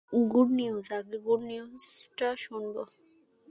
Good news, আগে good নিউজটা শুনব!